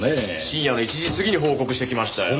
深夜の１時過ぎに報告してきましたよ。